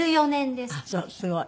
すごい。